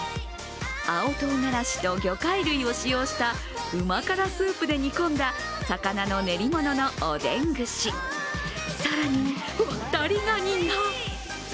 青唐がらしと魚介類を使用した旨辛スープで煮込んだ魚の練り物のおでん串、更に、ワタリガニが。